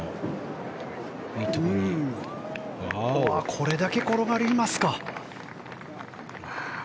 これだけ転がりますか。